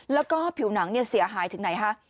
แล้วก็ผิวหนังเสียหายถึงไหนคะ